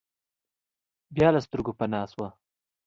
بیا له سترګو پناه شوه.